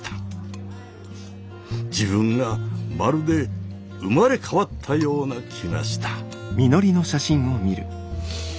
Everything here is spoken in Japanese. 自分がまるで生まれ変わったような気がした。